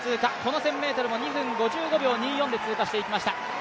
この１０００ｍも２分５５秒２４で通過していきました。